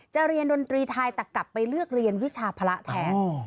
เรียนดนตรีไทยแต่กลับไปเลือกเรียนวิชาภาระแท้